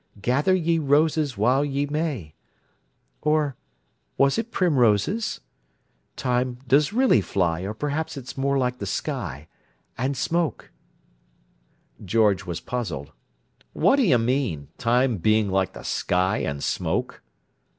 'Gather ye roses while ye may'—or was it primroses? Time does really fly, or perhaps it's more like the sky—and smoke—" George was puzzled. "What do you mean: time being like the sky and smoke?"